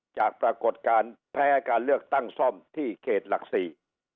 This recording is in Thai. จากปรากฏการณ์แพ้การเลือกตั้งซ่อมที่เขตหลักสี่